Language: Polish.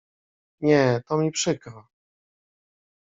Nie, to mi przykro.